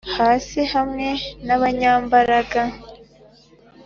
Hasi hamwe n abanyambaraga c